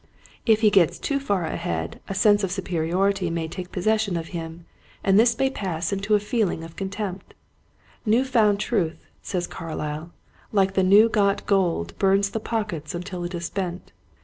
If he gets too far ahead a sense of superiority may take possession of him, and this may pass into a feeUng of contempt. New found truth — says Carlyle — like new got gold burns the pockets until it is spent.